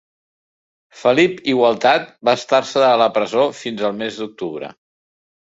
Felip Igualtat va estar-se a la presó fins al mes d'octubre.